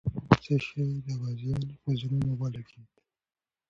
څه شی د غازیانو په زړونو ولګېد؟